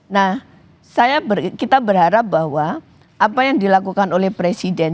nah kita berharap bahwa apa yang dilakukan oleh presiden